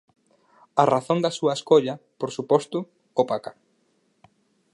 A razón da súa escolla, por suposto, opaca.